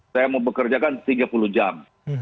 saya mau bekerjakan tiga puluh jam